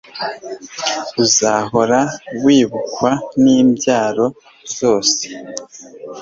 uzahora wibukwa n’imbyaro zose